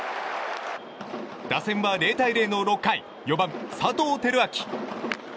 打線は０対０の６回４番、佐藤輝明。